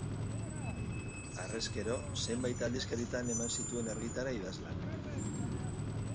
Harrezkero, zenbait aldizkaritan eman zituen argitara idazlanak.